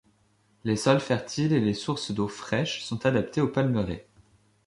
Les sols fertiles et les sources d'eau fraîche sont adaptées aux palmeraies.